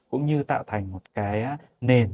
cũng như tạo thành một cái nền